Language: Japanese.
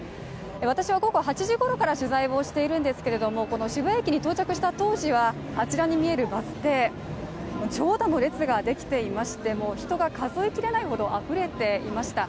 私は午後８時ごろから取材しているんですが、渋谷駅に到着した当時は、あちらに見えるバス停、長蛇の列ができていまして、人が数え切れないほどあふれていました。